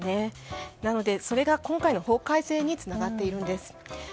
なので、それが今回の法改正につながっているんです。